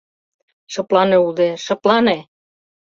Шыплане улде, шыплане!